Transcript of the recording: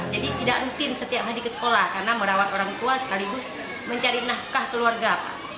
jadi tidak rutin setiap hari ke sekolah karena merawat orang tua sekaligus mencari nahkah keluarga